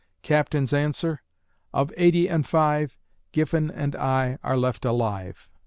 Captain's answer: "Of eighty and five, Giffen and I are left alive."